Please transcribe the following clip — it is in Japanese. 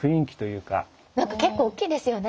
なんか結構おっきいですよね。